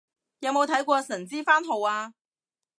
有冇睇過神之番號啊